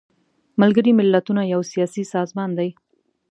ملګري ملتونه یو سیاسي سازمان دی.